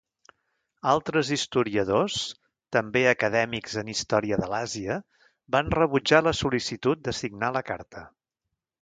Altres historiadors, també acadèmics en història de l'Àsia, van rebutjar la sol·licitud de signar la carta.